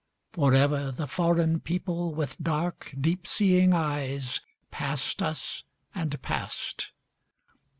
Forever the foreign people with dark, deep seeing eyes Passed us and passed.